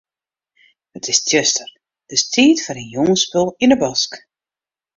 It is tsjuster, dus tiid foar in jûnsspul yn 'e bosk.